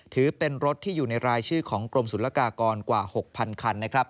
ถือเป็นรถที่อยู่ในรายชื่อของกรมศุลกากรกว่า๖๐๐คันนะครับ